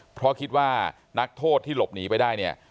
เพราะคิดว่านักโทษที่หลบหนีไปได้เนี่ย